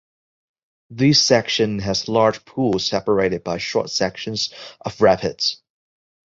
This section has large pools separated by short sections of rapids.